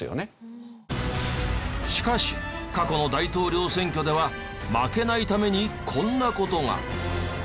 しかし過去の大統領選挙では負けないためにこんな事が。